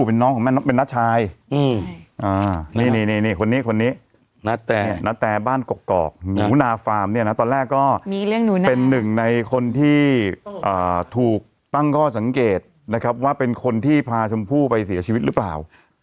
เป็นน้องของแม่น้องเป็นน้าชายนี่คนนี้คนนี้ณแตบ้านกกอกหนูนาฟาร์มเนี่ยนะตอนแรกก็เป็นหนึ่งในคนที่ถูกตั้งข้อสังเกตนะครับว่าเป็นคนที่พาชมพู่ไปเสียชีวิตหรือเปล่า